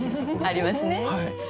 ありますね。